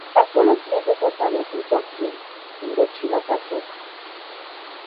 Pasó los siguientes dos años en Tonkín, Indochina francesa.